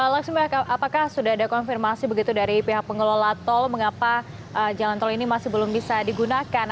laksmi apakah sudah ada konfirmasi begitu dari pihak pengelola tol mengapa jalan tol ini masih belum bisa digunakan